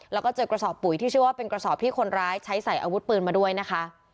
แล้วก็เจอกระสอบปุ๋ยที่ชื่อว่าเป็นกระสอบที่คนร้ายใช้ใส่อาวุธปืนมาด้วยนะคะ